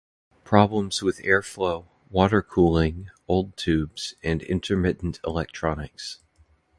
Problems with air flow, water cooling, old tubes, and intermittent electronics.